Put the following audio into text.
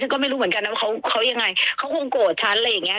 ก็ไม่รู้เหมือนกันนะว่าเขายังไงเขาคงโกรธฉันอะไรอย่างเงี้